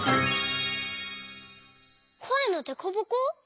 「こえのデコボコ」？